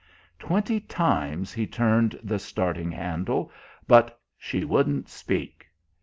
Twenty times he turned the "starting handle," but "she wouldn't speak!"